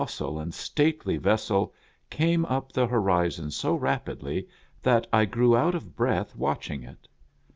^ sal and stately vessel came up the horizon so rapidly, that I grew out of breath watching it.